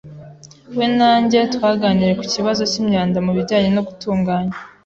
We na njye twaganiriye ku kibazo cyimyanda mubijyanye no gutunganya.